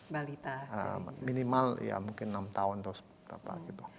balita minimal ya mungkin enam tahun atau seberapa gitu